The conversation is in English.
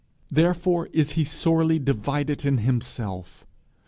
Therefore is he so sorely divided in himself.